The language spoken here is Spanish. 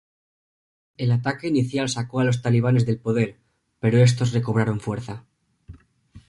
El ataque inicial sacó a los talibanes del poder, pero estos recobraron fuerza.